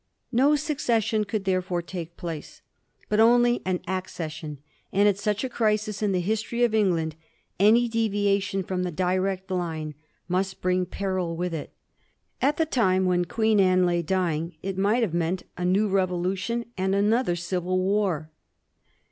No succession could therefore take place, but only an accession, and at such a crisis in the history of England any deviation from the direct Une must bring peril with it. At the time when Queen Anne lay dying it might have meant a new revolution and another civil war.